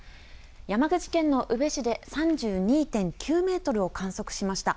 山口県の宇部市で３２．９メートルを観測しました。